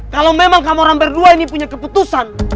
kalau memang kamu orang berdua ini punya keputusan